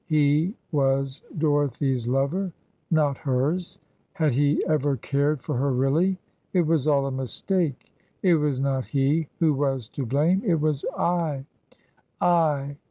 He was Dorothy's lover, not hers. Had he ever cared for her really? "It was all a mistake. It was not he who was to blame, it was I I!"